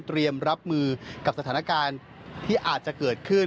รับมือกับสถานการณ์ที่อาจจะเกิดขึ้น